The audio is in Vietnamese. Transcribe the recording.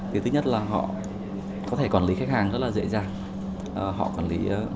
thì thứ nhất là họ có thể quản lý khách hàng rất là dễ dàng